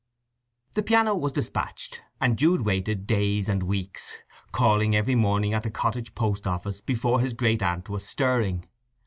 The piano was despatched, and Jude waited days and weeks, calling every morning at the cottage post office before his great aunt was stirring.